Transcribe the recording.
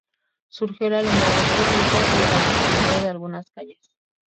Surgió el alumbrado público y el adoquinado de algunas calles.